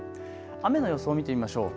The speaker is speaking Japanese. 雨の予想を見てみましょう。